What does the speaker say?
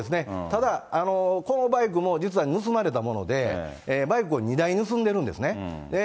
ただ、このバイクも実は盗まれたもので、バイクを２台盗んでるんですね。